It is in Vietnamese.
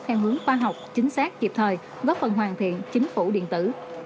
theo hướng khoa học chính xác kịp thời góp phần hoàn thiện chính phủ điện tử